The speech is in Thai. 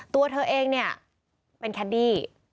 ตัวเธอเองเป็นแคดดี้